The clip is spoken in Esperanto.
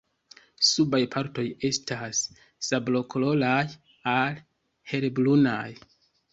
Subaj partoj estas sablokoloraj al helbrunaj.